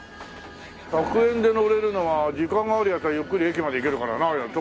１００円で乗れるのは時間があるヤツはゆっくり駅まで行けるからな得だよね。